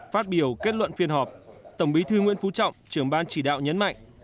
phát biểu kết luận phiên họp tổng bí thư nguyễn phú trọng trưởng ban chỉ đạo nhấn mạnh